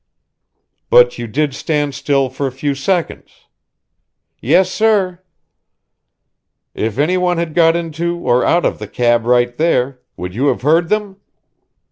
"But you did stand still for a few seconds?" "Yes, sir." "If any one had got into or out of the cab right there, would you have heard them?"